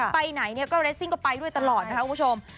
ไปไหนเนี่ยก็เรสซิ่งก็ไปด้วยตลอดนะคะคุณผู้ชม